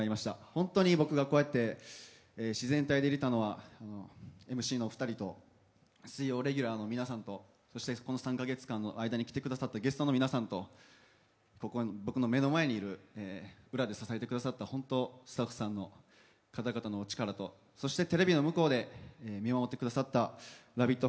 本当に僕がこうやって自然体でいれたのは、ＭＣのお二人と水曜レギュラーの皆さんとこの３か月間に来てくださったゲストの皆さんと、僕の目の前にいる裏で支えてくださったスタッフさんの方々のお力とテレビの向こうで見守ってくださったラヴィット！